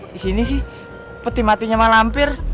di sini sih peti matinya malampir